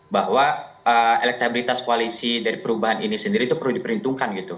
bahwa elektabilitas koalisi dari perubahan ini sendiri itu perlu diperhitungkan gitu